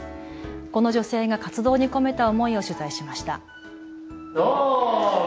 この女性が活動に込めた思いを取材しました。